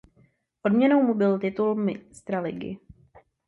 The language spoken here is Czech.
Odměnou mu byl titul mistra ligy.